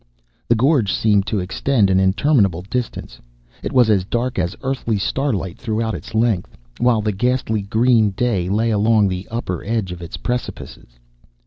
The gorge seemed to extend an interminable distance. It was as dark as earthly starlight throughout its length, while the ghastly green day lay along the upper edge of its precipices.